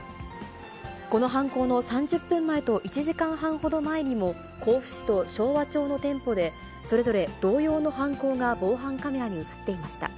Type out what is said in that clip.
この犯行の３０分前と１時間半ほど前にも、甲府市と昭和町の店舗でそれぞれ同様の犯行が防犯カメラに写っていました。